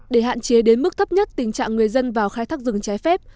để hạn chế đến mức thấp nhất tình trạng người dân vào khai thác rừng trái phép